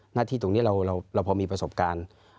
หน้าที่ตรงนี้เราพอมีประสบการณ์